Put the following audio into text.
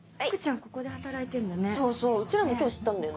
ここで働いてんだね。